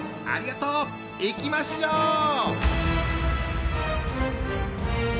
ありがとう。